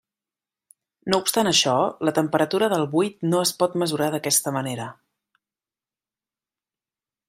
No obstant això, la temperatura del buit no es pot mesurar d'aquesta manera.